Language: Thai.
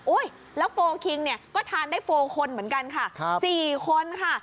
โอ้ยแล้วโฟลล์คิงเนี่ยก็ทานได้โฟลล์คนเหมือนกันค่ะครับสี่คนค่ะ